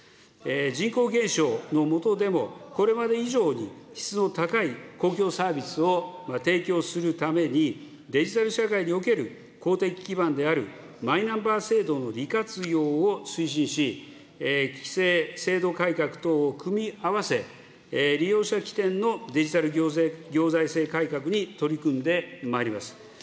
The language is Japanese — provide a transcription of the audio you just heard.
人口減少の下でも、これまで以上に質の高い公共サービスを提供するために、デジタル社会における公的基盤であるマイナンバー制度の利活用を推進し、規制制度改革等を組み合わせ、利用者起点のデジタル行財政改革に取り組んでまいります。